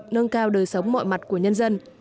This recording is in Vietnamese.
nâng cao đời sống mọi mặt của nhân dân